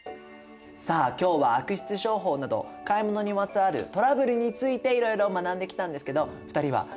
さあ今日は悪質商法など買い物にまつわるトラブルについていろいろ学んできたんですけど２人はどんなこと感じたかな？